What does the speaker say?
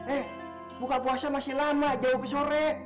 eh buka puasa masih lama jauh ke sore